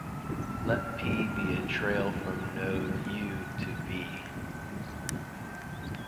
Let "P" be a trail from node "u" to "v".